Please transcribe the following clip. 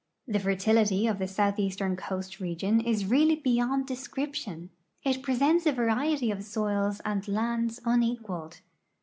The fertility of the southeastern coast region is really beyond descrii>tion. It presents a variety of soils and lands unequaled.